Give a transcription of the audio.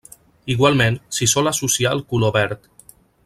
Igualment, s'hi sol associar el color verd.